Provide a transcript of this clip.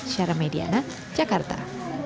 syara mediana jakarta